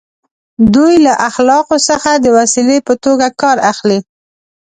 دوی له اخلاقو څخه د وسیلې په توګه کار اخلي.